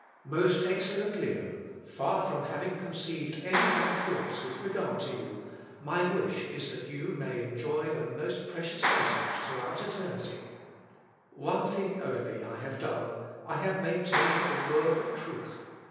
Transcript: Most excellent Leo, far from having conceived any bad thoughts with regard to you, my wish is that you may enjoy the most precious blessings throughout eternity. One thing only I have done: I have maintained the word of truth.